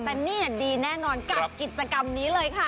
แต่นี่ดีแน่นอนกับกิจกรรมนี้เลยค่ะ